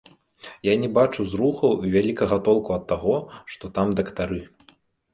Я не бачу зрухаў і вялікага толку ад таго, што там дактары.